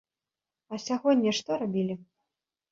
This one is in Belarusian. А сягоння што рабілі?